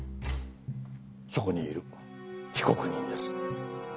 そこにいる被告人です。